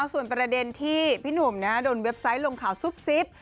ส่วนประเด็นที่พี่หนุ่มโดนเว็บไซต์ลงข่าวซุบซิบ